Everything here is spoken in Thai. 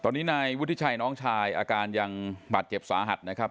ตอนนี้นายวุฒิชัยน้องชายอาการยังบาดเจ็บสาหัสนะครับ